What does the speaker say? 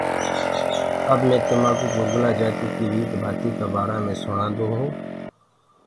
اب مي تمآڪوُ گُرگُلآ جآتيٚ ڪي ريت ڀآتيٚ ڪآ بآرآ مي سُڻاندو هونٚ۔